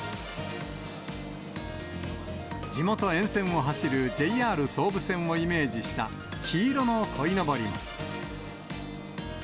地元沿線を走るＪＲ総武線をイメージした、黄色のこいのぼりも。